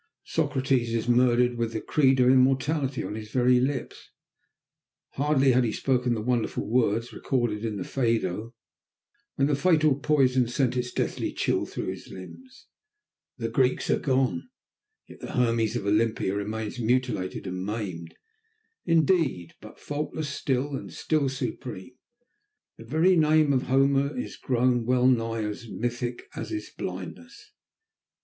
Socrates is murdered with the creed of immortality on his very lips; hardly had he spoken the wonderful words recorded in the Phaedo when the fatal poison sent its deathly chill through his limbs; the Greeks are gone, yet the Hermes of Olympia remains, mutilated and maimed, indeed, but faultless still, and still supreme. The very name of Homer is grown wellnigh as mythic as his blindness.